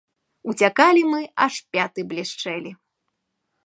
Уцякалі мы, аж пяты блішчэлі.